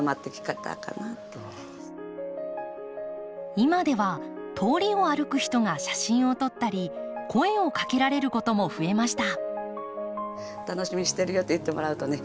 今では通りを歩く人が写真を撮ったり声をかけられることも増えました。